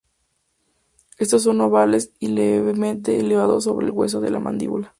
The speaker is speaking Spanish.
Estos son ovales y levemente elevados sobre el hueso de la mandíbula.